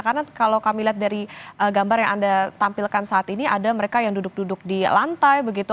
karena kalau kami lihat dari gambar yang anda tampilkan saat ini ada mereka yang duduk duduk di lantai begitu